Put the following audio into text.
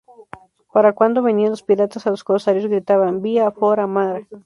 Para cuando venían los piratas o los corsarios, gritaban "Via fora Mar".